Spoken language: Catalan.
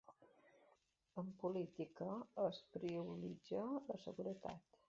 En política es prioritza la seguretat.